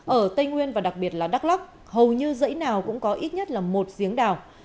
ở tây nguyên và đặc biệt là đắk lắc hầu như dãy nào cũng có ít nhất là một giếng đào